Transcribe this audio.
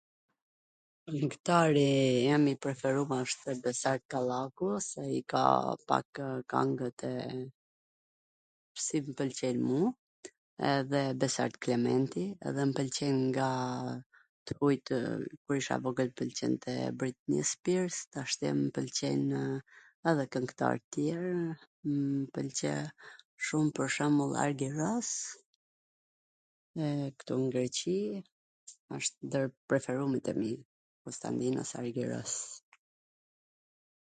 Kwngtari em i preferum wsht Besar Kallaku se i ka pakw kangwt e si m pwlqejn mu, edhe Besart Kelmendi, edhe m pwlqen nga tw ...kur isha e vogwl m pwlqente Britni Spirs, tashti mw pwlqejnw edhe kwngtar tjer, mw pwlqe shum pwr shwmbull Argyros, e ktu n Greqi, asht ndwr tw preferumit e mi, Kostandinos Argyros.